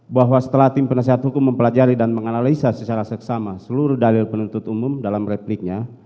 bahwa setelah tim penasehat hukum mempelajari dan menganalisa secara seksama seluruh dalil penuntut umum dalam repliknya